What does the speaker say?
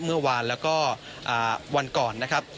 เมื่อวานแล้วก็วันก่อนนะครับ